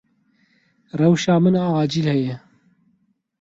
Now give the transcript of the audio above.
Rewşa min a acîl heye.